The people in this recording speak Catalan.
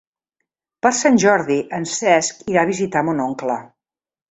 Per Sant Jordi en Cesc irà a visitar mon oncle.